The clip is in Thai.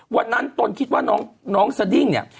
วันนั้นต้นคิดว่าน้องสดิ้งเนี่ย